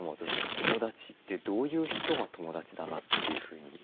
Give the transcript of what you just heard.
友だちってどういう人が友だちだなというふうに？